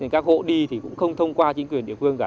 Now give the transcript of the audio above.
các hộ đi thì cũng không thông qua chính quyền địa phương cả